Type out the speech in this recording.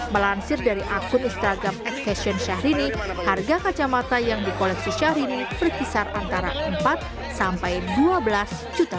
melansir dari akun instagram accasion syahrini harga kacamata yang di koleksi syahrini berkisar antara rp empat sampai dua belas juta